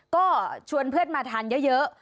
ก็ชวนเพื่อนมาทานเยอะ